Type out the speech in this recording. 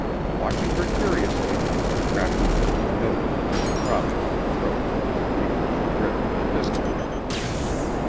Watching her curiously, the crafty villain noted the quick throbbing of her throat and the feverish grip on the pistol.